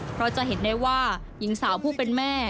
เพราะจะเห็นได้ว่าหญิงสาวผู้เป็นแม่